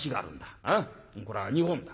これは日本だ。